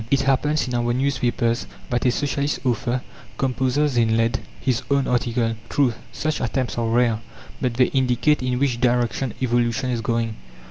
It happens in our newspapers that a Socialist author composes in lead his own article. True, such attempts are rare, but they indicate in which direction evolution is going.